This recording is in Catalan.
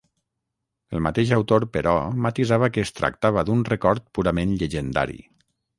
El mateix autor, però, matisava que es tractava d'un record purament llegendari.